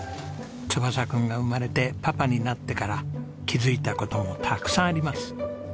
翼くんが生まれてパパになってから気づいた事もたくさんあります。